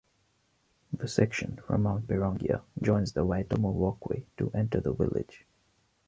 The section from Mount Pirongia joins the Waitomo Walkway to enter the village.